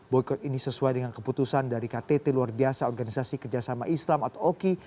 boykot ini sesuai dengan keputusan dari ktt luar biasa organisasi kerjasama islam atau oki